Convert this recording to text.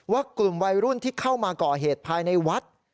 ว่ากลุ่มวัยรุ่นที่เข้ามาก่อเหตุภายในวัด